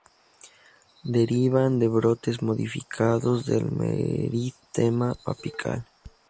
Derivan de brotes modificados del meristema apical.